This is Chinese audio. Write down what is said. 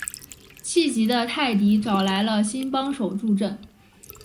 气急的泰迪找来了新帮手助阵。